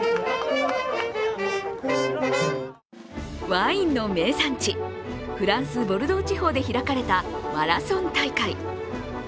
ワインの名産地、フランス・ボルドー地方で開かれたマラソン大会。